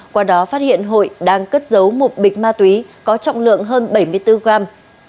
qua đó phát hiện hội đang cất giấu một bịch ma túy có trọng lượng hơn bảy mươi bốn gram